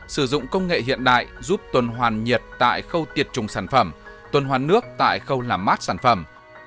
sử dụng công nghệ hiện đại giúp tuần hoàn nhiệt tại khâu tiệt trùng sản phẩm tuần hoàn nước tại khâu làm mát sản phẩm